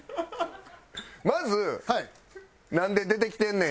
まず「なんで出てきてんねん？」